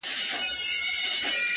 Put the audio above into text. زما ځواني دي ستا د زلفو ښامارونه وخوري,